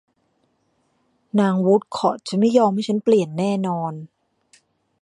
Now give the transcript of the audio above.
นางวูดคอร์ทจะไม่ยอมให้ฉันเปลี่ยนแน่นอน